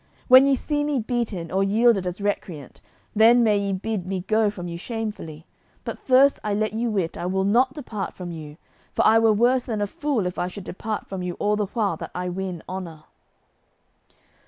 When ye see me beaten or yielded as recreant, then may ye bid me go from you shamefully, but first I let you wit I will not depart from you, for I were worse than a fool if I should depart from you all the while that I win honour."